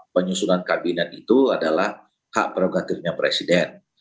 penyusunan kabinet itu adalah hak prerogatifnya presiden